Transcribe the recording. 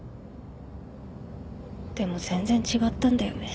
でも全然違ったんだよね。